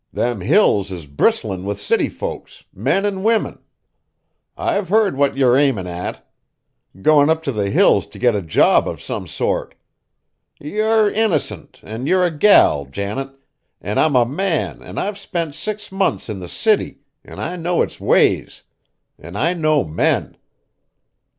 Them Hills is bristlin' with city folks, men an' women! I've heard what you're aimin' at. Goin' up t' the Hills t' get a job of some sort! Yer innercint, an' yer a gal, Janet, an' I'm a man an' I've spent six months in the city an' I know its ways, an' I know men!